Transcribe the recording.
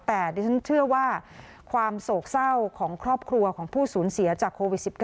แต่ดิฉันเชื่อว่าความโศกเศร้าของครอบครัวของผู้สูญเสียจากโควิด๑๙